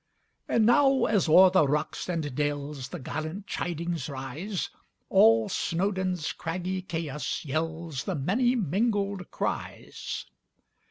And now, as o'er the rocks and dellsThe gallant chidings rise, All Snowdon's craggy chaos yellsThe many mingled cries!